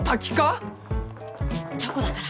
チョコだから！